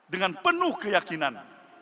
dengan penuh keyakinan